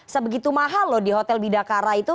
sebegitu mahal loh di hotel bidakara itu